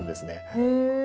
へえ。